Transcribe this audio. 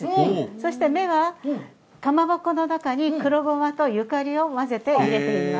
そして目はかまぼこの中に黒ゴマとゆかりを混ぜて入れています。